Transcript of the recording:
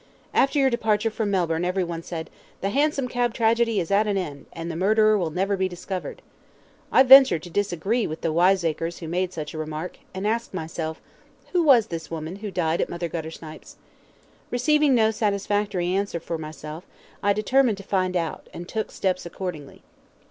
After your departure from Melbourne every one said, 'The hansom cab tragedy is at an end, and the murderer will never be discovered.' I ventured to disagree with the wiseacres who made such a remark, and asked myself, 'Who was this woman who died at Mother Guttersnipe's?' Receiving no satisfactory answer from myself, I determined to find out, and took steps accordingly.